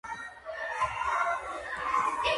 ამ სახეობებზე თევზაობის სეზონია ივლისი-აგვისტო.